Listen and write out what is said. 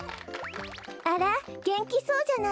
あらげんきそうじゃない。